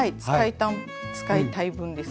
使いたい分ですねはい。